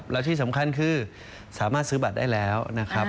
แล้วที่สำคัญคือสามารถซื้อบัตรได้แล้วนะครับ